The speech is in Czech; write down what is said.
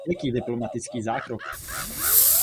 Jaký diplomatický zákrok?